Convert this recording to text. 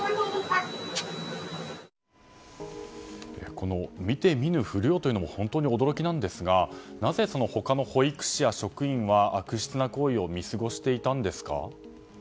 この見て見ぬふりをというのも本当に驚きなんですがなぜ、他の保育士や職員は悪質な行為を見過ごしていたんですか？